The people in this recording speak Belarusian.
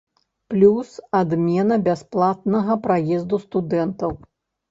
Плюс адмена бясплатнага праезду студэнтаў.